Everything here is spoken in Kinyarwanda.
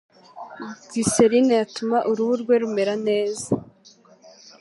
glycerine yatuma uruhu rwe rumera neza.